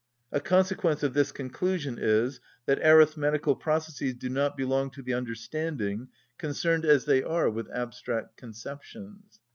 A consequence of this conclusion is, that arithmetical processes do not belong to the understanding, concerned as they are with abstract conceptions.